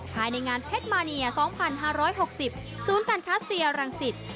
ภายในงานเพชรมาเนีย๒๕๖๐ศูนย์การค้าเซียรังสิต